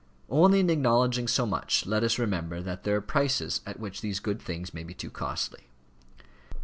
Only in acknowledging so much, let us remember that there are prices at which these good things may be too costly.